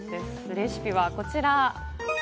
レシピはこちら。